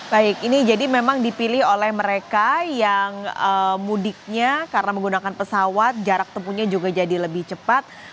baik ini jadi memang dipilih oleh mereka yang mudiknya karena menggunakan pesawat jarak tempuhnya juga jadi lebih cepat